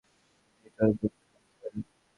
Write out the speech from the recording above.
Visitor বুকটা দেখতে পারি?